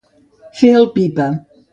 Fer el pipa.